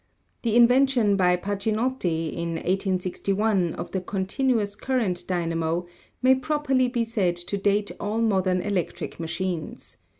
The invention by Pacinotti in 1861 of the continuous current dynamo may properly be said to date all modern electric machines.